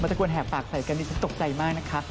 มันจะกวนแหบปากใส่กันดีจะตกใจมากนะครับ